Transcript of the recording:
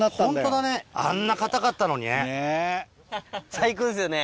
最高ですよね。